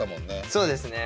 そうですね。